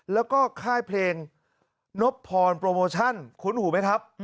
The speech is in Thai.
แล้วก็ค่ายเพลงนบพรโปรโมชั่นคุ้นหูไหมครับ